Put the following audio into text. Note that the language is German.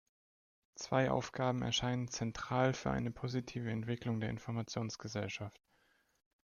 Zwei Aufgaben erscheinen zentral für eine positive Entwicklung der Informationsgesellschaft.